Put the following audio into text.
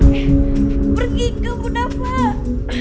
pergi ke bunda pak